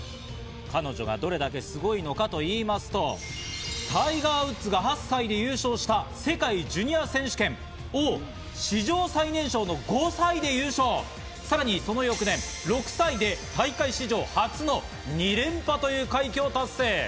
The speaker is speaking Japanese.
彼女がどれだけすごいのかと言いますと、タイガー・ウッズが８歳で優勝した世界ジュニア選手権を史上最年少の５歳で優勝、さらにその翌年６歳で大会史上初の２連覇という快挙を達成。